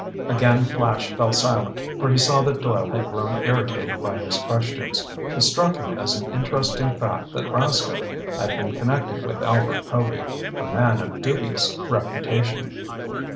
Again Flash fell silent, for he saw that Doyle had grown irritated by his questions. It struck him as an interesting fact that Rascomb had been connected with Albert Povy, a man of dubious reputation.